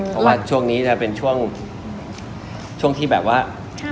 ก็ช่วงนี้จะเป็นช่วงช่วงที่แบบว่า